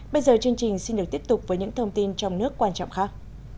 bây giờ chương trình xin được tiếp tục với những thông tin trong nước quan trọng khác